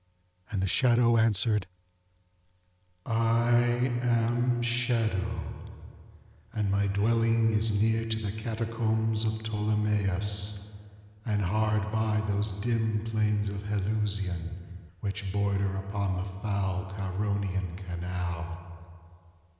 And the shadow answered, ŌĆ£I am SHADOW, and my dwelling is near to the Catacombs of Ptolemais, and hard by those dim plains of Helusion which border upon the foul Charonian canal.